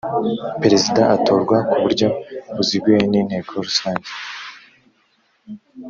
perezida atorwa ku buryo buziguye n inteko rusange